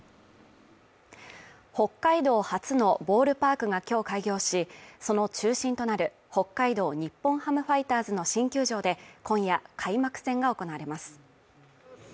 北海道初のボールパークが今日開業し、その中心となる北海道日本ハムファイターズの新球場で今夜開幕戦が行われます。